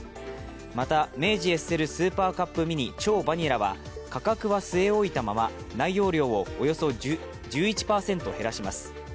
また、明治エッセルスーパーカップミニ超バニラは価格は据え置いたまま、内容量をおよそ１１％減らします。